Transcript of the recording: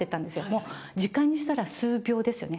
もう時間にしたら数秒ですよね。